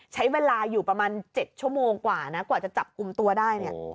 ใช้เวลาอยู่ประมาณ๗ชั่วโมงกว่านะกว่าจะจับกลุ่มตัวได้เนี่ย